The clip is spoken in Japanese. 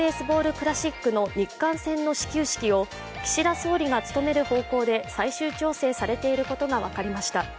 クラシックの日韓戦の始球式を岸田総理が務める方向で最終調整されていることが分かりました。